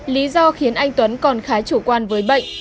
lý do khiến anh tuấn còn khá chủ quan với bệnh